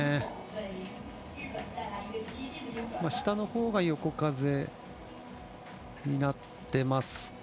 下のほうが横風になってます。